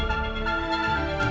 apa mbak adin sekarat